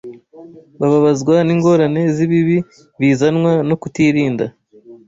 Bababazwa n’ingorane z’ibibi bizanwa no kutirinda